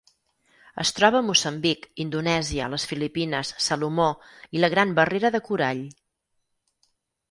Es troba a Moçambic, Indonèsia, les Filipines, Salomó i la Gran Barrera de Corall.